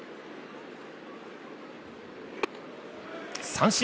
三振！